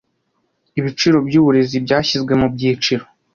ibiciro byuburezi byashyizwe mu byiciro